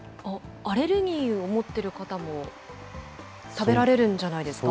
アレルギーを持っている方も食べられるんじゃないですか。